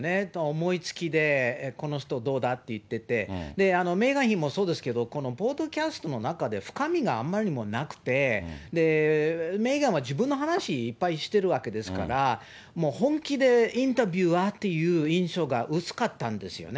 思いつきでこの人どうだって言ってて、メーガン妃もそうですけど、このポッドキャストの中で深みがあまりにもなくて、メーガンは自分の話いっぱいしてるわけですから、もう本気でインタビュアーっていう、薄かったんですよね。